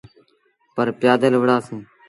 پر پيٚآدل وُهڙآ سيٚݩ۔